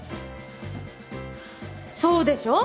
そうでしょう？